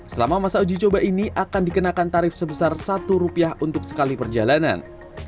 selama masa uji coba ini akan dikenakan tarif sebesar rp satu untuk sekali perjalanan